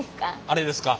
あれですか。